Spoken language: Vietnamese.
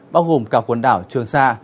bao gồm cả quần đảo trường sa